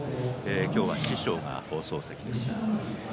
今日は師匠が放送席です。